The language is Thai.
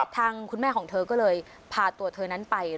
ทางคุณแม่ของเธอก็เลยพาตัวเธอนั้นไป